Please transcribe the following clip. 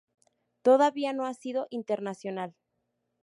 Todavía no ha sido internacional.